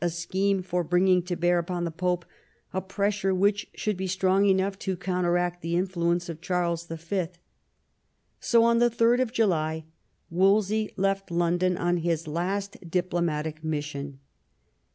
a scheme for bringing to bear upon the Pope a pressure which should be strong enough to counteract the influence of Charles V. So, on 3d July, Wolsey left London on his last diplomatic mission.